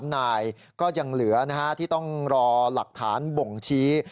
๓นายก็ยังเหลือที่ต้องรอหลักฐานบ่งชี้